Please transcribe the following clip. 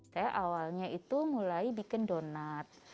saya awalnya itu mulai bikin donat